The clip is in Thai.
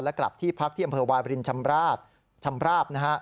และกลับที่พักที่อำเภอวายบริณชำราบ